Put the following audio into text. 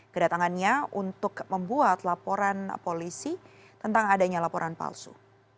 kedatangannya untuk membuat laporan polisi tentang adanya laporan palsu